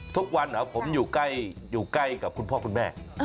ทุกวันผมอยู่ใกล้อยู่ใกล้กับคุณพ่อคุณแม่